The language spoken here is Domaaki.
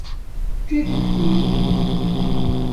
ڎک ہوٹی